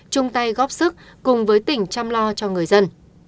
chung tay góp sức cùng với tỉnh chăm lo cho người dân